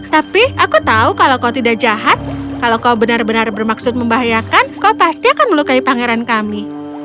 tapi aku tahu kalau kau tidak jahat kalau kau benar benar bermaksud membahayakan kau pasti akan melukai pangeran kami